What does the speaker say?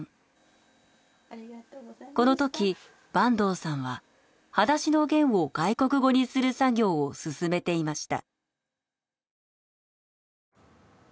このとき坂東さんは『はだしのゲン』を外国語にする作業を進めていました。